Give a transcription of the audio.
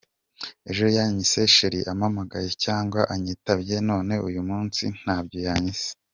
Ejo yanyise cheri ampamagaye cyangwa anyitabye none uyu munsi ntabyo yanyise.